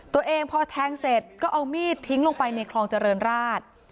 ตัวเองพอแทงเสร็จก็เอามีดทิ้งลงไปในคลองเจริญราช